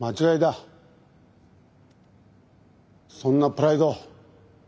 そんなプライド。